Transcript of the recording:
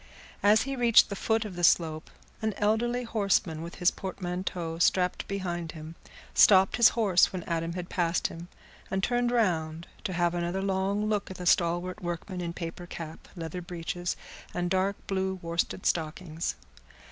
As he reached the foot of the slope, an elderly horseman, with his portmanteau strapped behind him, stopped his horse when Adam had passed him, and turned round to have another long look at the stalwart workman in paper cap, leather breeches, and dark blue worsted stockings.